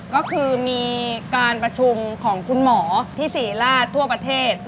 ก็คือมีการประชุมของคุณหมอที่ศรีราชทั่วประเทศ